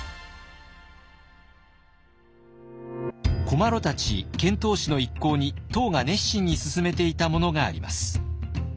古麻呂たち遣唐使の一行に唐が熱心に勧めていたものがあります。